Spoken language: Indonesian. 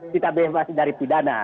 kita bebas dari pidana